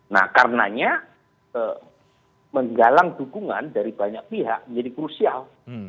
nah karenanya menggalang dukungan dari banyak pihak menjadi krusial